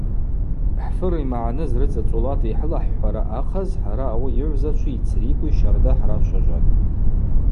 Хӏфыр ймагӏныз рыцӏа цӏолата йхӏылахӏхӏвара ахъаз хӏара ауи йыгӏвзачви йцрикви щарда хӏрачважватӏ.